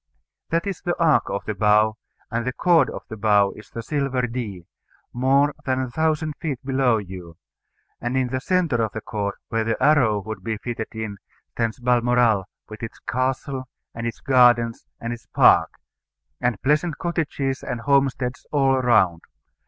That is the arc of the bow; and the cord of the bow is the silver Dee, more than a thousand feet below you; and in the centre of the cord, where the arrow would be fitted in, stands Balmoral, with its Castle, and its Gardens, and its Park, and pleasant cottages and homesteads all around.